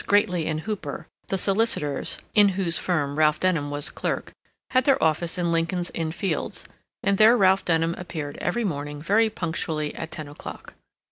Grateley and Hooper, the solicitors in whose firm Ralph Denham was clerk, had their office in Lincoln's Inn Fields, and there Ralph Denham appeared every morning very punctually at ten o'clock.